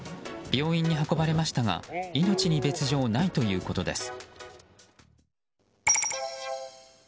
病院に運ばれましたが命に別状ないということです。